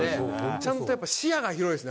ちゃんとやっぱり視野が広いですね。